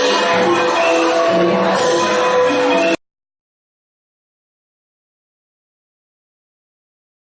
เพลงด้วยข้อเสียงอินดี